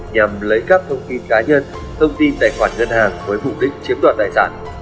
nhằm lấy các thông tin cá nhân thông tin tài khoản ngân hàng với mục đích chiếm đoạt tài sản